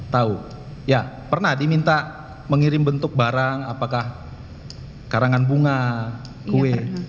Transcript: tahu ya pernah diminta mengirim bentuk barang apakah karangan bunga kue